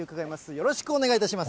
よろしくお願いします。